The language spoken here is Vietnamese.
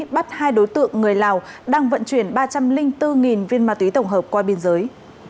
bắt hai đối tượng người lào đang vận chuyển ba trăm linh bốn viên ma túy tổng hợp qua biên giới